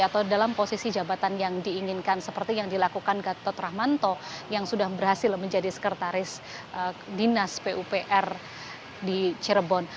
atau dalam posisi jabatan yang diinginkan seperti yang dilakukan gatot rahmanto yang sudah berhasil menjadi sekretaris dinas pupr di cirebon